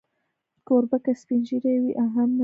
کوربه که سپین ږیری وي، هم نرم وي.